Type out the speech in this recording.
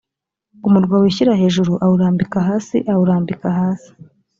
umurwa wishyira hejuru awurambika hasi awurambika hasi